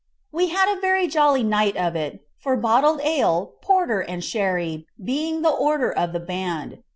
We had a very jolly night of it; for bottled ale, porter, and sherry being the order of the band.